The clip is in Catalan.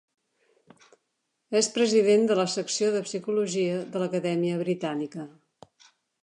És president de la Secció de Psicologia de l'Acadèmia Britànica.